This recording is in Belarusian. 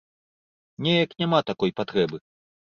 Неяк няма такой патрэбы.